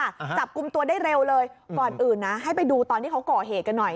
จับกลุ่มตัวได้เร็วเลยก่อนอื่นนะให้ไปดูตอนที่เขาก่อเหตุกันหน่อย